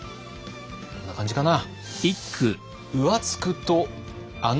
こんな感じかな。